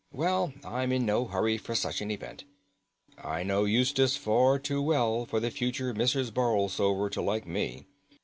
"Well, I'm in no hurry for such an event. I know Eustace far too well for the future Mrs. Borlsover to like me.